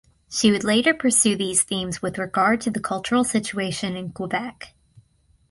She would later pursue these themes with regard to the cultural situation in Quebec.